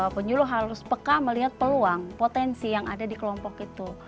penyuluh harus peka melihat peluang potensi yang ada di kelompok itu